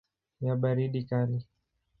ya baridi kali.